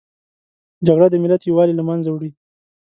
جګړه د ملت یووالي له منځه وړي